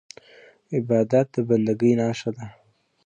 عبادت د بندګۍ نښه ده.